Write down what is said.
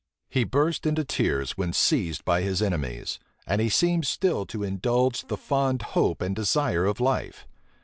He burst into tears when seized by his enemies; and he seemed still to indulge the fond hope and desire of life.